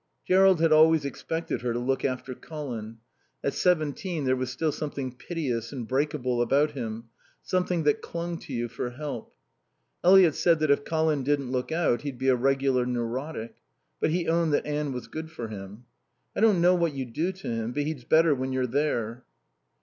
Jerrold had always expected her to look after Colin. At seventeen there was still something piteous and breakable about him, something that clung to you for help. Eliot said that if Colin didn't look out he'd be a regular neurotic. But he owned that Anne was good for him. "I don't know what you do to him, but he's better when you're there."